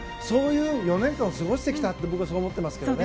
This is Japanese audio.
そういう４年間を過ごしてきたと僕はそう思っています。